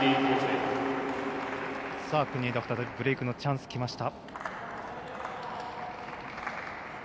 国枝選手、再びブレークのチャンスきました。